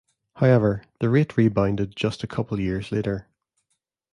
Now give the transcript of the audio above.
However, the rate rebounded to just a couple years later.